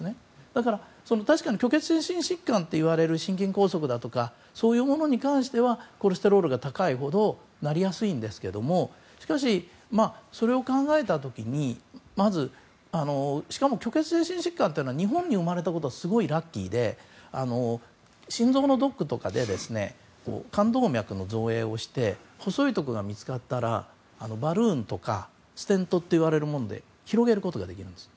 だから確かに虚血性心疾患といわれる心筋梗塞だとかそういうものに関してはコレステロールが高いほどなりやすいんですけどしかし、それを考えた時にまず、しかも虚血性心疾患というのは日本に生まれたことがすごいラッキーで心臓のドックとかで冠動脈の造影をして細いところが見つかったらバルーンとかステントって言われるもので広げることができます。